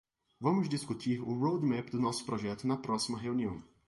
Vamos discutir o roadmap do projeto na próxima reunião.